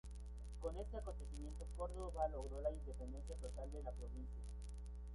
Con este acontecimiento Córdova logró la independencia total de la provincia.